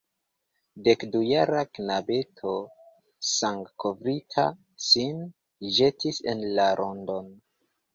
Dekdujara knabeto sangkovrita sin ĵetis en la rondon.